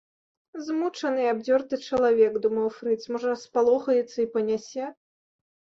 Змучаны і абдзёрты чалавек, думаў фрыц, можа спалохаецца і панясе.